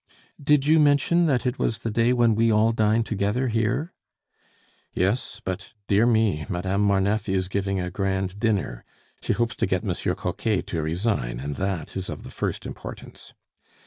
"Did you mention that it was the day when we all dine together here?" "Yes. But, dear me! Madame Marneffe is giving a grand dinner; she hopes to get Monsieur Coquet to resign, and that is of the first importance.